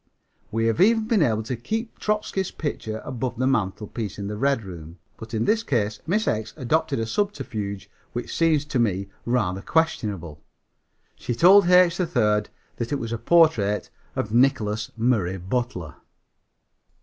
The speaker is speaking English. We have even been able to keep Trotzky's picture above the mantelpiece in the red room, but in this case Miss X adopted a subterfuge which seems to me rather questionable. She told H. 3rd that it was a portrait of Nicholas Murray Butler.